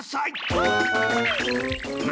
はい！